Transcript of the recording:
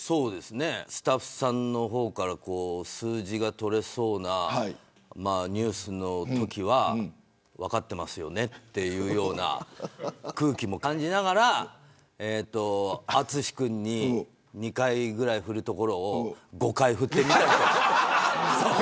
スタッフさんの方から数字が取れそうなニュースのときは分かってますよねというような空気も感じながら淳君に２回ぐらいふるところを５回ふってみたりとか。